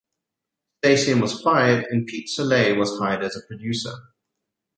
Stasium was fired and Pete Solley was hired as producer.